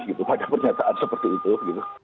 saya tidak akan memberikan poin seperti itu